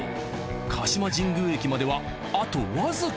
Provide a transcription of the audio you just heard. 鹿島神宮駅まではあとわずか。